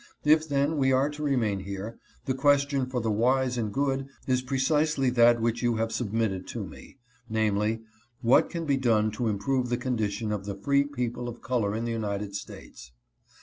If, then, we are to remain here, the question for the wise and good is precisely that which you have submitted to me — namely: What can be done to improve the condition of the free people of color in the United States